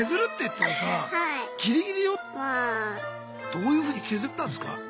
どういうふうに削ったんすか？